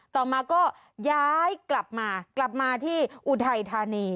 ต่อมาก็ย้ายกลับมากลับมาที่อุทัยธานี